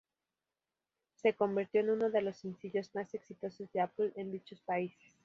Se convirtió en uno de los sencillos más exitosos de Apple en dichos países.